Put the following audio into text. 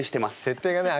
設定がね